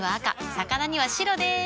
魚には白でーす。